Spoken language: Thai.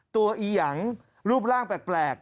อียังรูปร่างแปลก